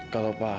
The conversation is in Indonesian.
kalau pak haris